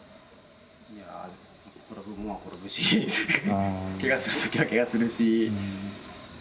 いや、転ぶものは転ぶし、ケガするときはケガするし。